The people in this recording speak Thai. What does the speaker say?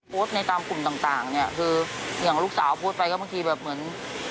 ในตามกลุ่มต่างเนี่ยคืออย่างลูกสาวโพสต์ไปก็บางทีแบบเหมือน